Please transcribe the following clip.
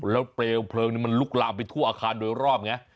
แล้วเปลวเพลิงมันลุกลามไปทั่วอาคารโดยรอบไง